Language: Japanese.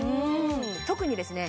特にですね